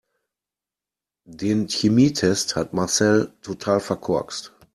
Den Chemietest hat Marcel total verkorkst.